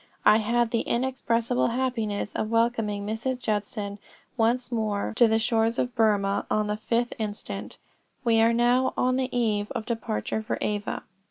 "I had the inexpressible happiness of welcoming Mrs. Judson once more to the shores of Burmah, on the 5th instant. We are now on the eve of departure for Ava.